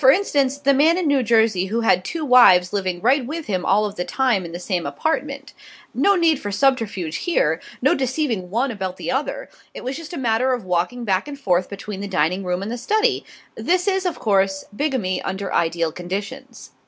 For instance, the man in New Jersey who had two wives living right with him all of the time in the same apartment. No need for subterfuge here, no deceiving one about the other. It was just a matter of walking back and forth between the dining room and the study. This is, of course, bigamy under ideal conditions.